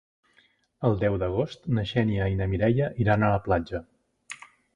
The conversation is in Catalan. El deu d'agost na Xènia i na Mireia iran a la platja.